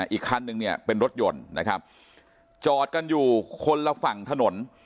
อีกคันนึงเนี่ยเป็นรถยนต์นะครับจอดกันอยู่คนละฝั่งถนน